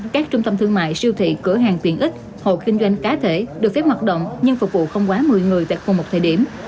các trung tâm thương mại siêu thị cửa hàng tiện ích hồ kinh doanh cá thể được phép hoạt động nhưng phục vụ không quá một mươi người tại khu một thời điểm